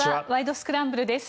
スクランブル」です。